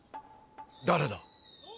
誰だ？